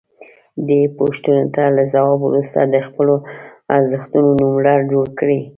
دې پوښتنو ته له ځواب وروسته د خپلو ارزښتونو نوملړ جوړ کړئ.